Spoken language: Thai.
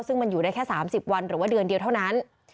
ซึ่งมันอยู่ได้แค่๓๐วันหรือว่าเดือนเดียวเท่านั้น